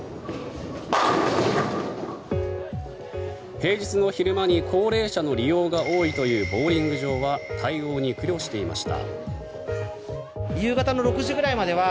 平日の昼間に高齢者の利用が多いというボウリング場は対応に苦慮していました。